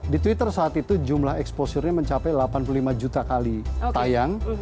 di twitter saat itu jumlah exposure nya mencapai delapan puluh lima juta kali tayang